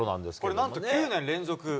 これ、なんと９年連続。